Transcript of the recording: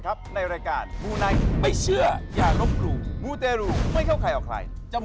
วันนี้ขอบคุณแขกรับเสื้อของเราก่อนครับ